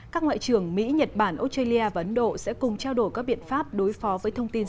các ngoại trưởng mỹ nhật bản australia và ấn độ sẽ cùng trao đổi các biện pháp đối phó với thông tin